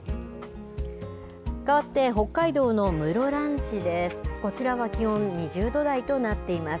かわって北海道の室蘭市です。